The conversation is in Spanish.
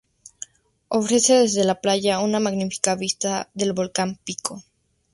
Ofrece desde la playa una magnífica vista del volcán de Pico.